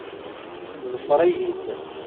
Ḍfeṛ-iyi-d.